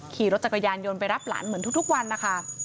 ขี่รถจักรยานยนต์ไปรับหลานเหมือนทุกวันนะคะ